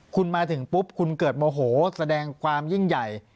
คุณมาถึงปุ๊บคุณเกิดโมโหแสดงความยิ่งใหญ่